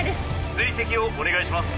追跡をお願いします。